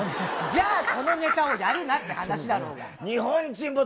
じゃあこのネタをやるなって話だろうが。